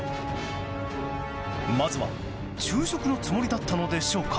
まずは、昼食のつもりだったのでしょうか？